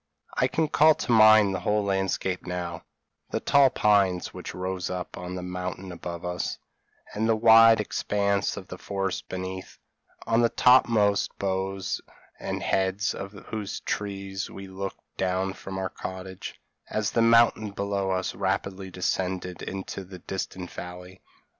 I can call to mind the whole landscape now: the tall pines which rose up on the mountain above us, and the wide expanse of forest beneath, on the topmost boughs and heads of whose trees we looked down from our cottage, as the mountain below us rapidly descended into the distant valley.